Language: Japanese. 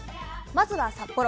まずは札幌。